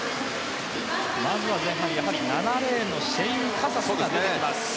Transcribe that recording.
まずは前半、７レーンのシャイン・カサスが出てきます。